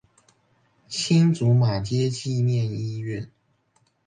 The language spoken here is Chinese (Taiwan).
新竹馬偕紀念醫院